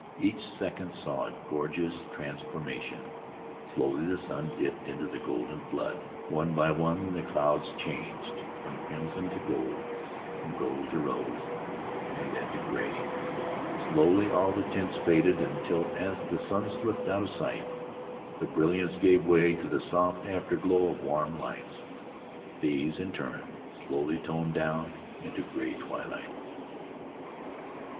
Each second saw a gorgeous transformation. Slowly the sun dipped into the golden flood; one by one the clouds changed from crimson to gold, from gold to rose, and then to gray; slowly all the tints faded until, as the sun slipped out of sight, the brilliance gave way to the soft afterglow of warm lights. These in turn slowly toned down into gray twilight.